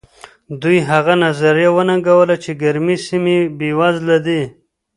دوی هغه نظریه وننګوله چې ګرمې سیمې بېوزله دي.